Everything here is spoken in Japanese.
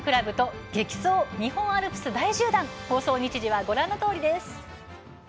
放送日時はご覧のとおりです。